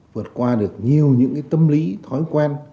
vượt qua được nhiều những tâm lý thói quen